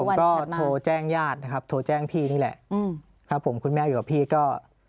ผมก็โทรแจ้งญาตินะครับโทรแจ้งพี่นี่แหละครับผมคุณแม่อยู่กับพี่ก็